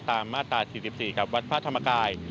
มาตรา๔๔กับวัดพระธรรมกาย